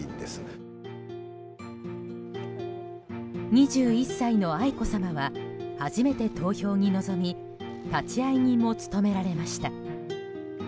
２１歳の愛子さまは初めて投票に臨み立会人も務められました。